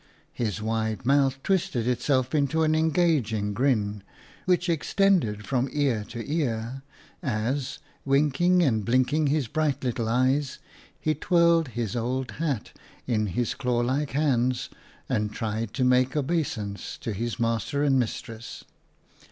His wide mouth twisted itself into an engaging grin, which extended from ear to ear, as, winking and blinking his bright little eyes, he twirled his old hat in his claw like hands and tried to make obeisance to his master and mistress.